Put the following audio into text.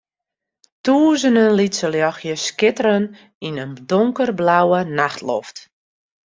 Tûzenen lytse ljochtsjes skitteren yn in donkerblauwe nachtloft.